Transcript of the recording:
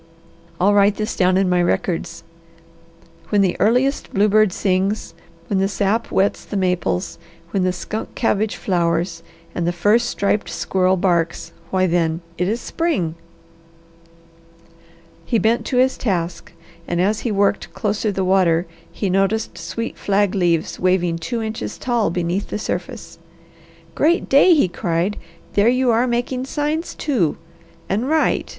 I'll write this down in my records 'When the earliest bluebird sings, when the sap wets the maples, when the skunk cabbage flowers, and the first striped squirrel barks, why then, it is spring!'" He bent to his task and as he worked closer the water he noticed sweet flag leaves waving two inches tall beneath the surface. "Great day!" he cried. "There you are making signs, too! And right!